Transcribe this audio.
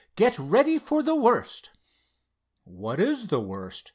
"Get ready for the worst." "What is the worst?"